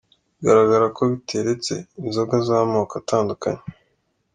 Bigaragara ko biteretse inzoga z’amako atandukanye.